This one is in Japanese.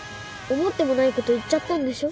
思ってもないこと言っちゃったんでしょ？